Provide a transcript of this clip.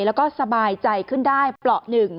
แล้วก็สบายใจขึ้นได้เปราะหนึ่ง